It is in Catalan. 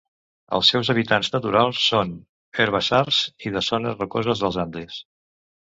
Els seus hàbitats naturals són els herbassars i les zones rocoses dels Andes.